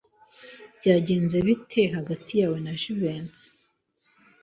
Byagenze bite hagati yawe na Jivency?